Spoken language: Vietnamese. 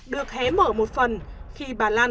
được hé mở một phần khi bà lan